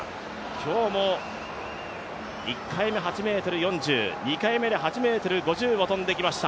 今日も１回目、８ｍ４０、２回目で８ｍ５０を跳んできました。